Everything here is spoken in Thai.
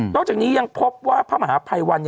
จากนี้ยังพบว่าพระมหาภัยวัน